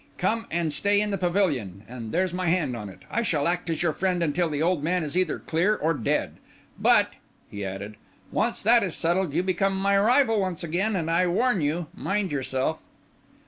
Come and stay in the pavilion; and, there's my hand on it, I shall act as your friend until the old man is either clear or dead. But," he added, "once that is settled, you become my rival once again, and I warn you—mind yourself."